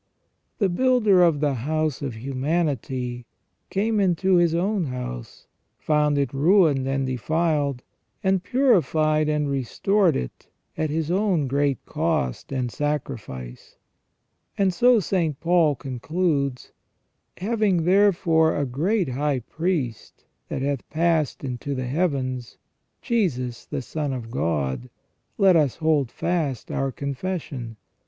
The builder of the house of humanity came into His own house, found it ruined and defiled, and purified and restored it at His own great cost and sacrifice. And so St. Paul concludes :" Having therefore a great high priest that hath passed into the heavens, Jesus the Son of God, let us hold fast our confession.